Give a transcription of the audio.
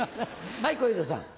はい小遊三さん。